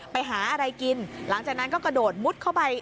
ไปหาอะไรกินหลังจากนั้นก็กระโดดมุดเข้าไป